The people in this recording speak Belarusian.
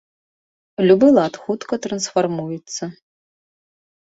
Любы лад хутка трансфармуецца.